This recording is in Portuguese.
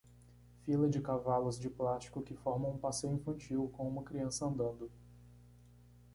Fila de cavalos de plástico que formam um passeio infantil com uma criança andando.